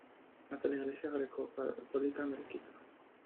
Nace la Iglesia greco-católica melquita.